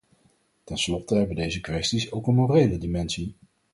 Ten slotte hebben deze kwesties ook een morele dimensie.